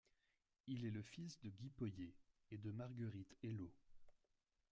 Il est le fils de Guy Poyet et de Marguerite Hellaud.